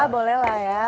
boleh lah ya